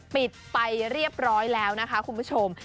ปิดไปเรียบร้อยแล้วนะคะคุณผู้ชม